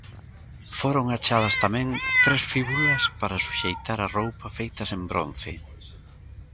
Foron achadas tamén tres fíbulas para suxeitar a roupa feitas en bronce.